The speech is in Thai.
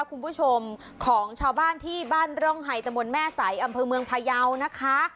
คุณผู้ชมของชาวบ้านที่บ้านร่องไฮตะบนแม่ใสอำเภอเมืองพยาวนะคะ